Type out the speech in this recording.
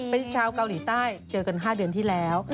เป็นชาวเกาหลีใต้เจอกัน๕เดือนที่แล้ว